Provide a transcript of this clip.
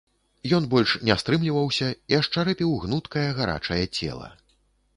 Ён больш не стрымліваўся і ашчарэпіў гнуткае гарачае цела.